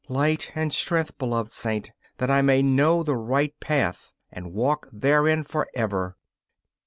Light and strength, beloved Saint, that I may know the right path, and walk therein forever!